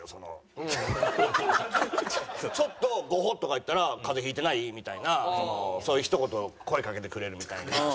ちょっとゴホッとか言ったら風邪引いてない？みたいなそういうひと言を声かけてくれるみたいな。